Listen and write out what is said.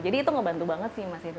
jadi itu ngebantu banget sih mas itu